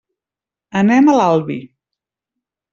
Anem a l'Albi.